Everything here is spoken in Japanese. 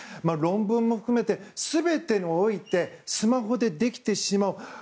論文も含めて全てにおいてスマホでできてしまう。